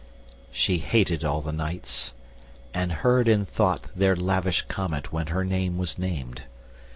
She hated all the knights, and heard in thought Their lavish comment when her name was named.